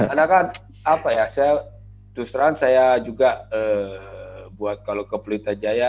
karena kan apa ya terus terang saya juga buat kalau ke pelintar jaya